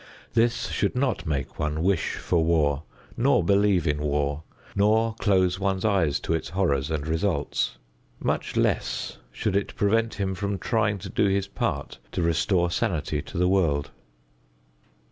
This should not make one wish for war nor believe in war nor close one's eyes to its horrors and results. Much less should it prevent him from trying to do his part to restore sanity to the world.